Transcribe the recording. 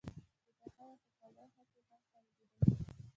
د خوښۍ او خوشالۍ حق یې هم خوندي دی.